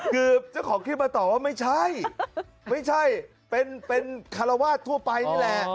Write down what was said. คือเจ้าของคลิปมาตอบว่าไม่ใช่ไม่ใช่เป็นคารวาสทั่วไปนี่แหละ